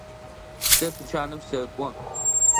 Сэ тучаным сэкӏо.